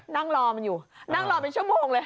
นั่งรอมันอยู่นั่งรอเป็นชั่วโมงเลย